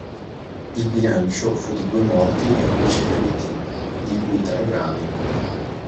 Il bilancio fu di due morti e undici feriti, di cui tre gravi.